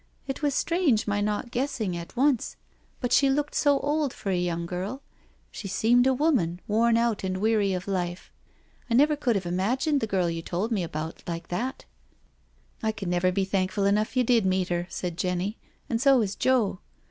It was strange my not guessing at once, but she looked so old for a young girl— she seemed a woman— worn out and weary of life. I never could have imagined the girl you told me about, like that." " I can never be thankful enough you did meet her,'* said Jenny, " and so is Joe.